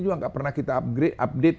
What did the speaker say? juga nggak pernah kita update